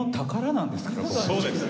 そうです！